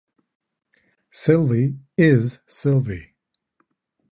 Sylvie "is" Sylvie.